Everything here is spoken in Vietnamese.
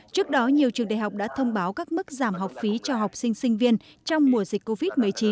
trước đó nhiều trường đại học đã thông báo các mức giảm học phí cho học sinh sinh viên trong mùa dịch covid một mươi chín